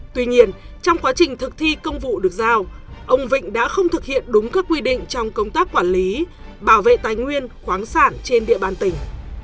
tuy nhiên trong quá trình thực thi công vụ được giao ông vịnh đã không thực hiện đúng các quy định trong công tác quản lý bảo vệ tài nguyên khoáng sản trên địa bàn tỉnh